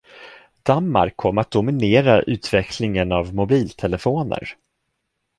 Danmark kom att dominera utvecklingen av mobiltelefoner